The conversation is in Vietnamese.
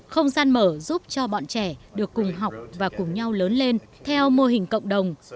không gian mở giúp cho bọn trẻ được cùng học và cùng nhau lớn lên theo mô hình cộng đồng